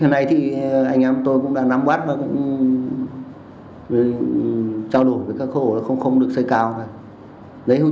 hiện nay thì anh em tôi cũng đang nắm bát và cũng trao đổi với các khổng là không được xây cao